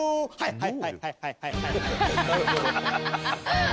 はい。